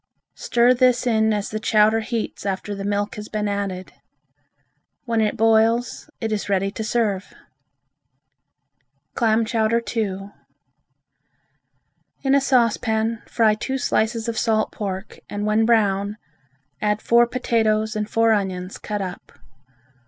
Stir this in as the chowder heats after the milk has been added. When it boils, it is ready to serve. Clam Chowder II In a saucepan fry two slices of salt pork and when brown, add four potatoes and four onions cut up.